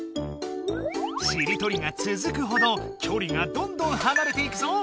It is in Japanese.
しりとりがつづくほどきょりがどんどんはなれていくぞ。